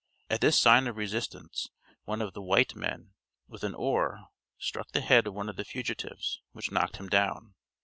At this sign of resistance one of the white men, with an oar, struck the head of one of the fugitives, which knocked him down.